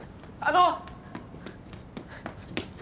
あの！